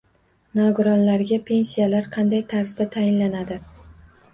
Nogironlarga pensiyalar qanday tarzda tayinlanadi?